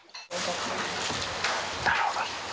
なるほど。